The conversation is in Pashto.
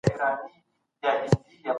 فشار کله ناکله بې له خبرتیا رامنځته کېږي.